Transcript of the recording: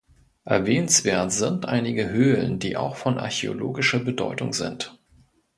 Erwähnenswert sind einige Höhlen, die auch von archäologischer Bedeutung sind.